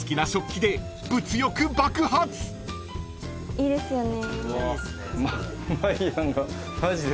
いいですよね。